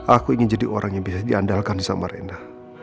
aku ingin jadi orang yang bisa diandalkan sama rena